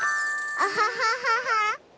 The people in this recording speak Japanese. アハハハハ。